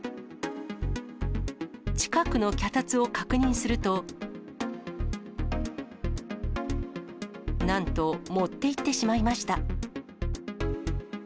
近くの脚立を確認すると、なんと、持っていってしまいました。